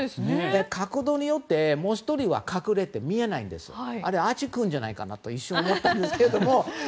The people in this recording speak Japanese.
角度によって、もう１人は隠れて見えないんですがあれはアーチー君じゃないかと一瞬、思ったんですが。